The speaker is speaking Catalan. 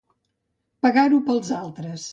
Pagar-ho pels altres.